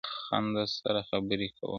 o ستـا له خندا سره خبري كـوم.